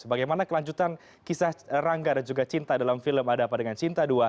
bagaimana kelanjutan kisah rangga dan juga cinta dalam film ada apa dengan cinta dua